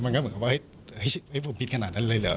มันก็เหมือนกับว่าเฮ้ยผมผิดขนาดนั้นเลยเหรอ